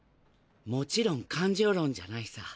もちろん感情論じゃないさ。